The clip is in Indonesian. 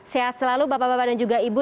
sehat selalu bapak bapak dan juga ibu